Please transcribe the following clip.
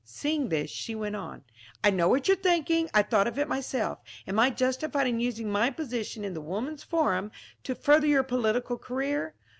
Seeing this she went on: "I know what you're thinking. I thought of it myself. Am I justified in using my position in the Woman's Forum to further your political career?